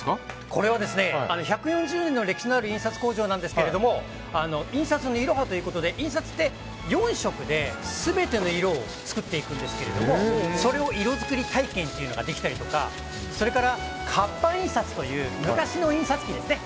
これは１４０年の歴史のある印刷工場なんですけども印刷のイロハということで印刷って４色で全ての色を作っていくんですけどそれを色づくり体験できたりとかそれから、活版印刷という昔の印刷機ですね。